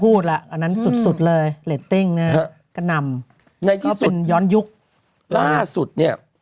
พูดละอันนั้นสุดเลยเล็ดติ้งนะก็นำย้อนยุคล่าสุดเนี่ย